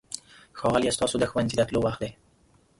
ښاغلیه! ستاسو د ښوونځي د تلو وخت دی.